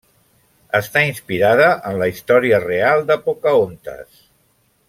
Està inspirada en la història real de Pocahontas.